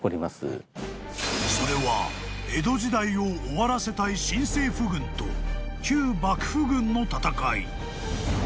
［それは江戸時代を終わらせたい新政府軍と旧幕府軍の戦い］